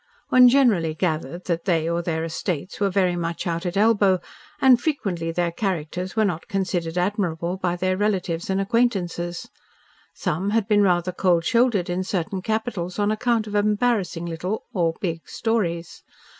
One generally gathered that they or their estates were very much out at elbow, and frequently their characters were not considered admirable by their relatives and acquaintances. Some had been rather cold shouldered in certain capitals on account of embarrassing little, or big, stories.